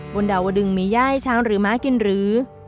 บนดาวดึงมีย่ายช้างหรือม้ากินหรือ